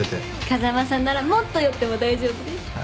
風間さんならもっと酔っても大丈夫です。